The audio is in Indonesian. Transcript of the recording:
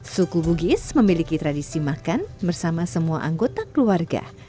suku bugis memiliki tradisi makan bersama semua anggota keluarga